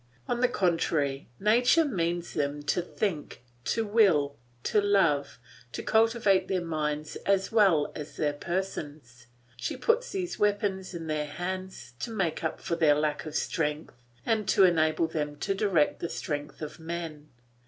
On the contrary, nature means them to think, to will, to love, to cultivate their minds as well as their persons; she puts these weapons in their hands to make up for their lack of strength and to enable them to direct the strength of men.